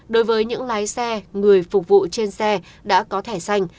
đối với những lái xe người phục vụ trên xe đã có thẻ xanh